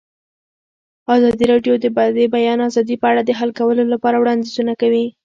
ازادي راډیو د د بیان آزادي په اړه د حل کولو لپاره وړاندیزونه کړي.